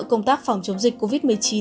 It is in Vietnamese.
công tác phòng chống dịch covid một mươi chín